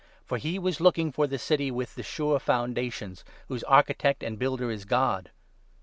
For he was looking for the City with the sure foundations, whose architect and builder is God.